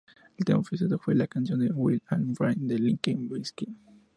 El tema oficial fue la canción "Build a Bridge" de Limp Bizkit.